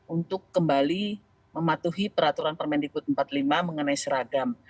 untuk kembali mematuhi peraturan permendikbud empat puluh lima mengenai seragam